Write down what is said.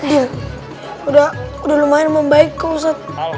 iya udah lumayan membaik kok ustadz